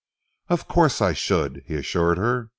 "Of course I should," he assured her.